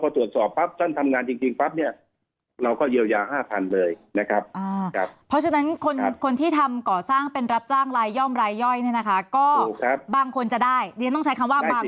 ก็ได้รับความเดือดร้อนอยู่เพราะฉะนั้นกระทรวงการทางก็เลยต้องไปดูแลกลุ่มนี้ด